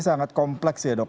sangat kompleks ya dok